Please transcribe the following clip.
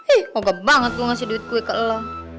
ih moga banget gue ngasih duit gue ke elo